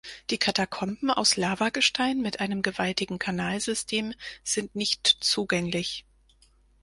Die Katakomben aus Lavagestein mit einem gewaltigen Kanalsystem sind nicht zugänglich.